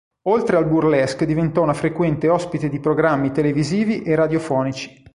Oltre al burlesque, diventò una frequente ospite di programmi televisivi e radiofonici.